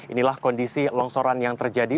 inilah kondisi longsoran yang terjadi